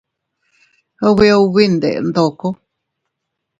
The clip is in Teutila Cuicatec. Ubi ubi ndede ndoko.